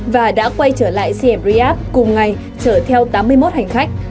và đã quay trở lại siem reap cùng ngày chở theo tám mươi một hành khách